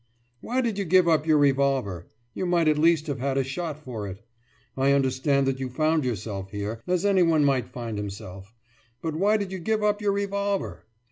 »Why did you give up your revolver? You might at least have had a shot for it. I understand that you found yourself here, as anyone might find himself; but why did you give up your revolver?